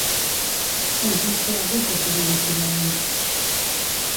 Quants morts hi ha hagut des de l'inici de l'any?